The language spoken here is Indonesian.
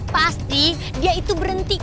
pasti dia itu berhenti